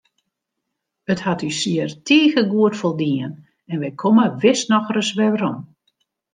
It hat ús hjir tige goed foldien en wy komme wis noch ris werom.